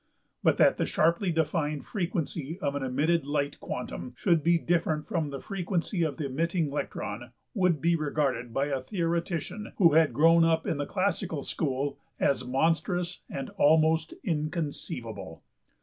But that the sharply defined frequency of an emitted light quantum should be different from the frequency of the emitting electron would be regarded by a theoretician who had grown up in the classical school as monstrous and almost inconceivable.